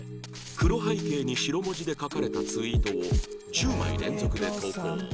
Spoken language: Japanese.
黒背景に白文字で書かれたツイートを１０枚連続で投稿